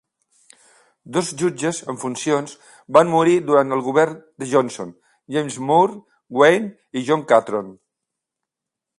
Dos jutges en funcions van morir durant el govern de Johnson, James Moore Wayne i John Catron.